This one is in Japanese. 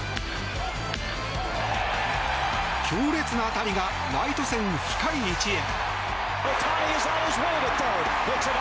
強烈な当たりがライト線、深い位置へ！